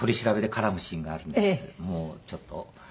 もうちょっと。